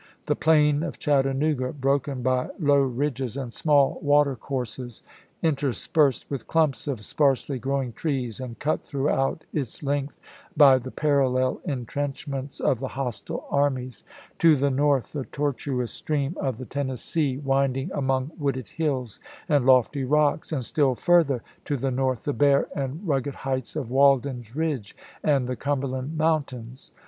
The plain of Chattanooga, broken by low ridges and small watercourses, interspersed with clumps of sparsely growing trees, and cut throughout its length by the parallel intrenchments of the hostile armies; to the north, the tortuous stream of the Tennessee winding among wooded hills and lofty rocks, and still further to the north the bare and rugged heights of Walden's Ridge and the Cum berland Mountains.